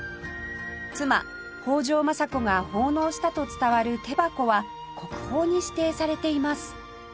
妻北条政子が奉納したと伝わる手箱は国宝に指定されています